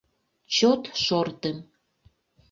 Чот шортым.